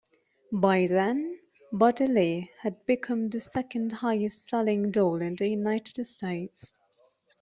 By then, Buddy Lee had become the second-highest-selling doll in the United States.